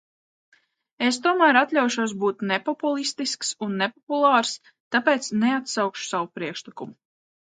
Es tomēr atļaušos būt nepopulistisks un nepopulārs, tāpēc neatsaukšu savu priekšlikumu.